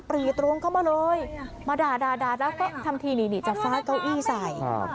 รีตรงเข้ามาเลยมาด่าแล้วก็ทำทีนี่จะฟ้าเก้าอี้ใส่